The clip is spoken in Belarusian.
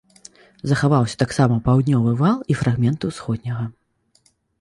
Захаваўся таксама паўднёвы вал і фрагменты ўсходняга.